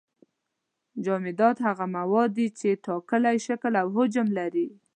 جامدات هغه مواد دي چې ټاکلی شکل او حجم لري.